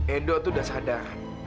edo tuh udah sadar